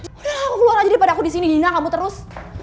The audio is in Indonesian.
udah lah aku keluar aja daripada aku disini dina kamu terus